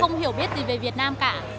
không hiểu biết gì về việt nam cả